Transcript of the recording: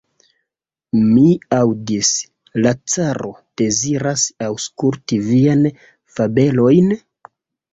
Mi aŭdis, la caro deziras aŭskulti viajn fabelojn?